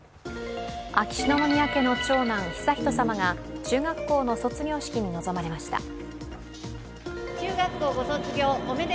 秋篠宮家の長男・悠仁さまが中学校の卒業式に臨まれました。